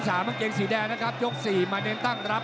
๑๒๓บางเกงสีแดดนะครับยก๔มาในตั้งรับ